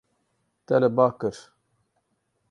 Te li ba kir.